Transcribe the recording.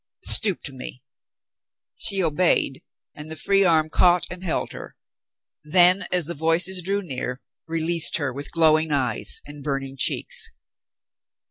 "Stoop to me." She obeyed, and the free arm caught and held her, then, as the voices drew near, released her with glowing eyes and burning cheeks.